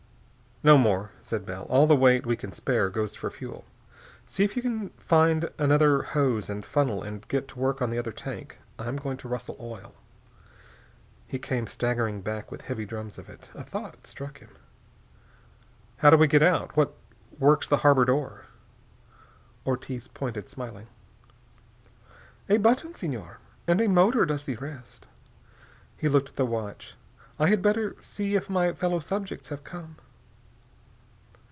"No more," said Bell. "All the weight we can spare goes for fuel. See if you can find another hose and funnel and get to work on the other tank. I'm going to rustle oil." He came staggering back with heavy drums of it. A thought struck him. "How do we get out? What works the harbor door?" Ortiz pointed, smiling. "A button, Senor, and a motor does the rest." He looked at his watch. "I had better see if my fellow subjects have come."